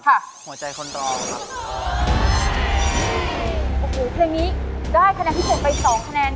เพลงนี้ได้คะแนนเที่ยวกี่สองคะแนนค่ะ